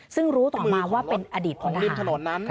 ซึ่งรู้ต่อมาว่าเป็นอดีตพนธนาภาพ